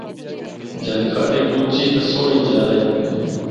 ’جلکھڈ‘ ہک اُچی تے سہنڑی جا اے۔